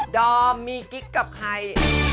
ดอมมีกิ๊กกับใคร